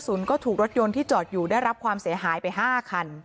ก็ถูกรถยนต์ที่จอดอยู่ได้รับความเสียหายไป๕คัน